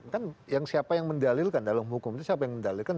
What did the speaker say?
kan yang siapa yang mendalilkan dalam hukum itu siapa yang mendalilkan